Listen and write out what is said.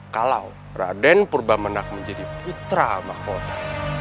kalau raden purba menak menjadi putra mahkota